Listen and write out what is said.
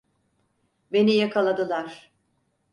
Beni yakaladılar.